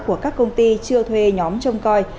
của các công ty chưa thuê nhóm trông coi